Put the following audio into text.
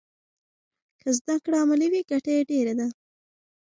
که زده کړه عملي وي ګټه یې ډېره ده.